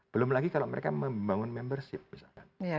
belum lagi kalau mereka membangun membership misalkan